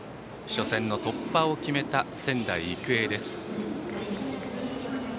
初戦の突破を決めた仙台育英です。